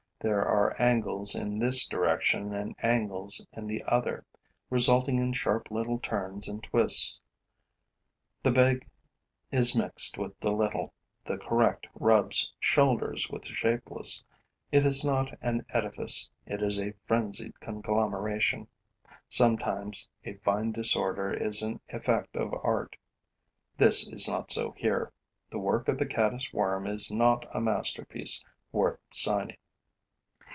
There are angles in this direction and angles in the other, resulting in sharp little turns and twists; the big is mixed with the little, the correct rubs shoulders with the shapeless. It is not an edifice, it is a frenzied conglomeration. Sometimes, a fine disorder is an effect of art. This is not so here: the work of the Caddis worm is not a masterpiece worth signing.